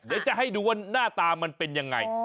เดี๋ยวจะให้ดูว่าหน้าตามันเป็นยังไง